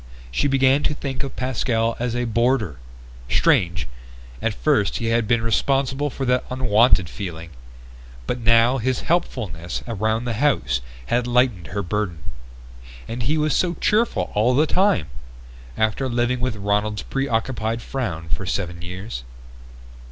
She began to think of Pascal as a boarder. Strange at first he had been responsible for that unwanted feeling. But now his helpfulness around the house had lightened her burden. And he was so cheerful all the time! After living with Ronald's preoccupied frown for seven years